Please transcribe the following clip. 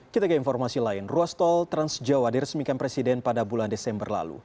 kita ke informasi lain ruas tol trans jawa diresmikan presiden pada bulan desember lalu